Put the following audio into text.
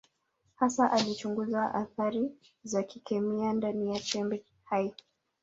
Hasa alichunguza athari za kikemia ndani ya chembe hai.